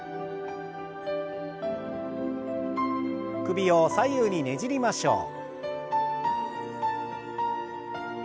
首を左右にねじりましょう。